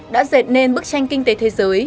đã dệt nên bức tranh kinh tế thế giới